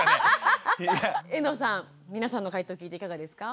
遠藤さん皆さんの回答を聞いていかがですか？